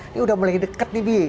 ini udah mulai dekat nih bi